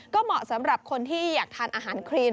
ก็เหมาะสำหรับคนที่อยากทานอาหารครีน